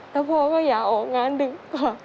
แล้วพอก็อยากออกงานดึง